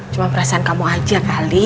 cuma perasaan kamu aja kali